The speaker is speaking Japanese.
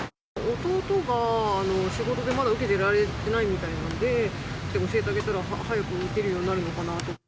弟がまだ仕事で受けられてないので、教えてあげたら早く打てるようになるのかなと。